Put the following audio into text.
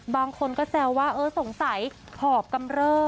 บางคนก็แซวว่าเออสงสัยหอบกำเริบ